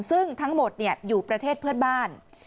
ซึ่งทั้งหมดอยู่ประเทศเพื่อนบ้าน